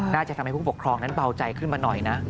น่าจะทำให้ผู้ปกครองนั้นเบาใจขึ้นมาหน่อยนะ